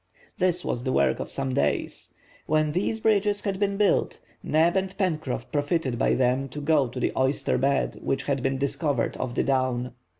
This was the work of some days. When these bridges had been built, Neb and Pencroff profited by them to go to the oyster bed which had been discovered off the down.